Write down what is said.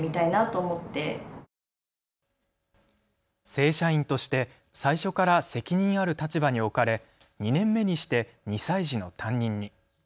正社員として最初から責任ある立場に置かれ２年目にして２歳児の担任に。